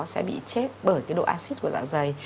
sẽ bị chết bởi cái độ acid của dạ dày